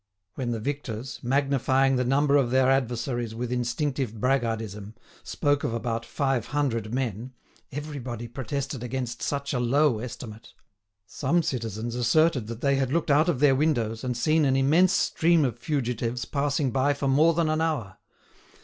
When the victors, magnifying the number of their adversaries with instinctive braggardism, spoke of about five hundred men, everybody protested against such a low estimate. Some citizens asserted that they had looked out of their windows and seen an immense stream of fugitives passing by for more than an hour.